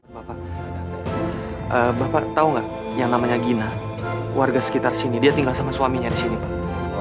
bapak bapak tau gak yang namanya gina warga sekitar sini dia tinggal sama suaminya disini pak